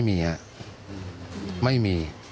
ไม่มีอะไม่มี